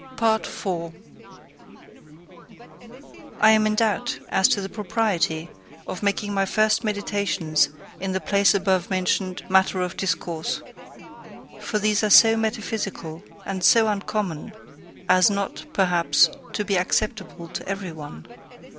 PART IV I am in doubt as to the propriety of making my first meditations in the place above mentioned matter of discourse; for these are so metaphysical, and so uncommon, as not, perhaps, to be acceptable to every one.